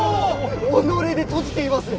己で閉じています。